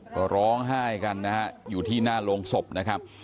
ก็ร้องไห้กันนะฮะอยู่ที่หน้าโรงศพนะครับ